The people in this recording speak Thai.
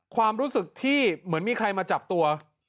ความรู้สึกที่เหมือนมีใครมาจับตัว